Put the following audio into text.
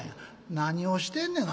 「何をしてんねな。